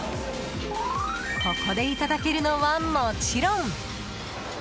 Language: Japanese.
ここでいただけるのはもちろん。